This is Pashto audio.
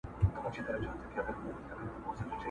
پرېږده چي لمبې پر نزله بلي کړي،